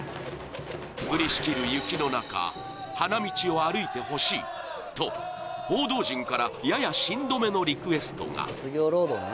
降りしきる雪の中、花道を歩いてほしいと報道陣から、ややしんどめのリクエストが。